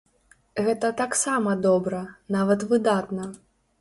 Гэта таксама добра, нават выдатна!